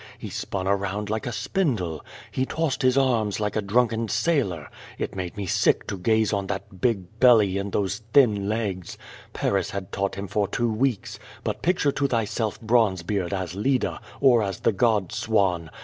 He spun around like a spindle. He tossed his arms like a drunken sailor. It made me sick to gaze on that big belly and those thin legs. Paris had taught him for two weeks. But picture to thyself Bronze beard as Leda, or as the God swan.